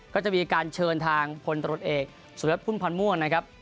ก็จะมีการเชิญทางพลตรวจเอกสุวัสดิพุ่มพันธ์ม่วงนะครับ